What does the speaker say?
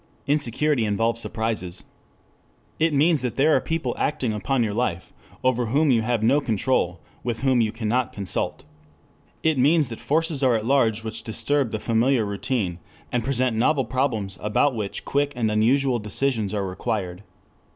Insecurity involves surprises. It means that there are people acting upon your life, over whom you have no control, with whom you cannot consult. It means that forces are at large which disturb the familiar routine, and present novel problems about which quick and unusual decisions are required.